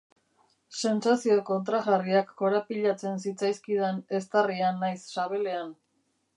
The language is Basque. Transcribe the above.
Sentsazio kontrajarriak korapilatzen zitzaizkidan eztarrian nahiz sabelean.